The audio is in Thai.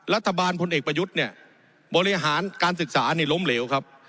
พลเอกประยุทธ์เนี่ยบริหารการศึกษานี่ล้มเหลวครับ